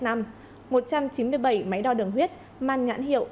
một trăm chín mươi bảy máy đo đường huyết mang nhãn hiệu